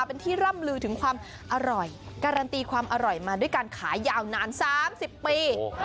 เป็นที่ร่ำลือถึงความอร่อยการันตีความอร่อยมาด้วยการขายยาวนาน๓๐ปี